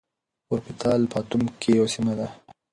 اوربيتال په اتوم کي يوه سيمه ده.